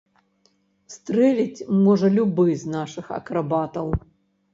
Стрэліць можа любы з нашых акрабатаў.